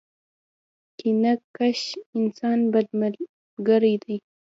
کینه کښ انسان ، بد ملګری دی.